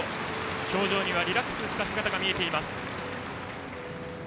表情にはリラックスした姿が見えました。